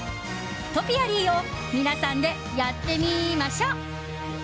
トピアリーを皆さんでやってみましょっ！